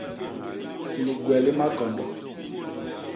Ligwe li makondo.